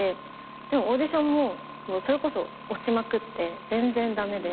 でもオーディションもそれこそ落ちまくって全然駄目で。